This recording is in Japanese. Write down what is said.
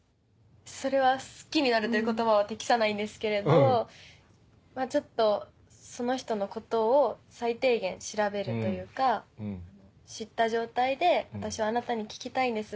それは「好きになる」という言葉は適さないんですけれどちょっとその人のことを最低限調べるというか知った状態で私はあなたに聞きたいんです